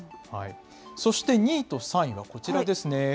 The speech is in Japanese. そして２位と３位がこちらですね。